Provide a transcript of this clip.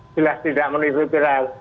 jelas tidak menurut saya